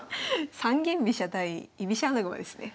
三間飛車対居飛車穴熊ですね。